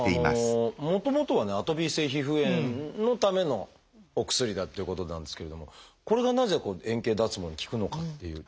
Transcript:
でももともとはねアトピー性皮膚炎のためのお薬だっていうことなんですけれどもこれがなぜ円形脱毛に効くのかっていう。